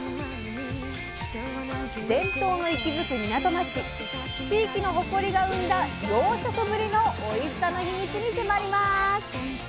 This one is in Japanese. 伝統の息づく港町地域の誇りが生んだ養殖ぶりのおいしさのヒミツに迫ります。